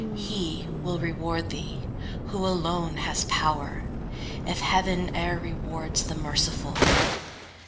He will reward thee, who alone has power, If heaven e'er rewards the merciful."